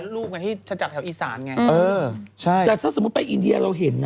รูปไงที่จะจัดแถวอีสานไงเออใช่แต่ถ้าสมมุติไปอินเดียเราเห็นนะ